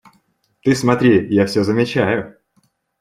– Ты смотри! Я все замечаю.